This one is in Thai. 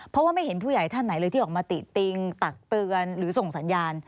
เพราะว่าไม่เห็นผู้ใหญ่ท่านไหนเลยที่ออกมาติติงตักเตือนหรือส่งสัญญาณ